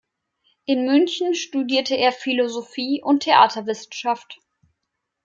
In München studierte er Philosophie und Theaterwissenschaft.